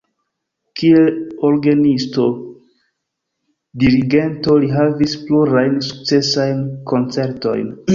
Kiel orgenisto, dirigento li havis plurajn sukcesajn koncertojn.